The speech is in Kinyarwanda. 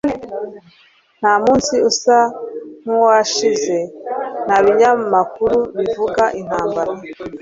ntamunsi usa nkuwashize nta binyamakuru bivuga intambara